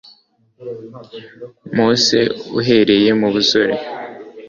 mose uhereye mu busore